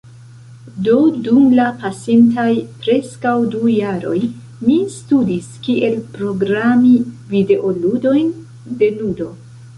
Do dum la pasintaj preskaŭ du jaroj mi studis kiel programi videoludojn denulo.